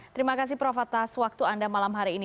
terima kasih prof atas waktu anda malam hari ini